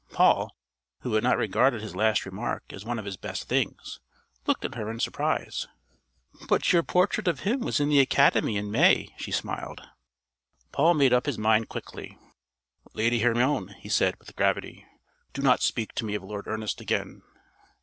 Paul, who had not regarded his last remark as one of his best things, looked at her in surprise. "But your portrait of him was in the Academy in May!" she smiled. Paul made up his mind quickly. "Lady Hermione," he said with gravity, "do not speak to me of Lord Ernest again.